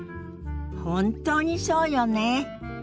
本当にそうよね。